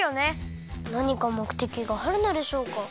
なにかもくてきがあるのでしょうか？